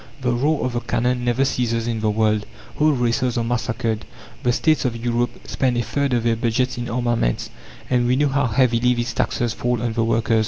The roar of the cannon never ceases in the world, whole races are massacred, the states of Europe spend a third of their budgets in armaments; and we know how heavily these taxes fall on the workers.